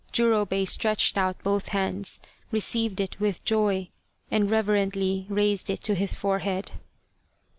Jurobei stretched out both hands, received it with joy, and reverently raised it to his forehead.